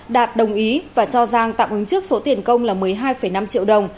đạt đồng ý và cho giang tạm ứng trước số tiền công là một mươi hai năm triệu đồng